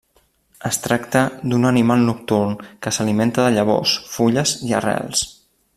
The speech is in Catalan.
Es tracta d'un animal nocturn que s'alimenta de llavors, fulles i arrels.